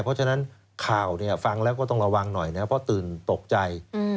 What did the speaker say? เพราะฉะนั้นข่าวฟังแล้วก็ต้องระวังหน่อยนะเพราะตื่นตกใจ